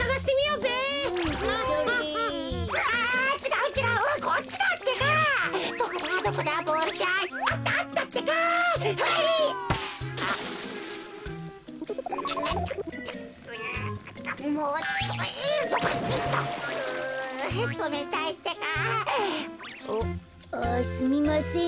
う？あすみません。